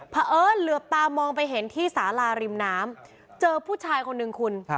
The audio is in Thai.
เพราะเอิ้นเหลือบตามองไปเห็นที่สาลาริมน้ำเจอผู้ชายคนหนึ่งคุณ